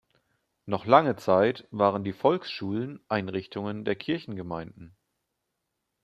Noch lange Zeit waren die Volksschulen Einrichtungen der Kirchengemeinden.